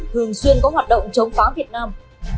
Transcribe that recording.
thường xuyên có hoạt động chống phá việt nam